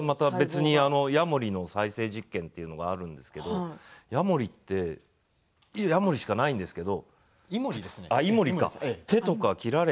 それとは別にヤモリの再生実験というのがあるんですけれどヤモリしかないんですけれど。